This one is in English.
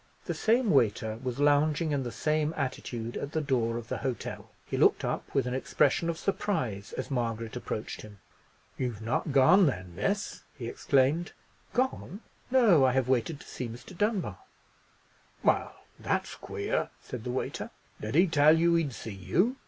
The same waiter was lounging in the same attitude at the door of the hotel. He looked up with an expression of surprise as Margaret approached him. "You've not gone, then, miss?" he exclaimed. "Gone! No! I have waited to see Mr. Dunbar!" "Well, that's queer," said the waiter; "did he tell you he'd see you?"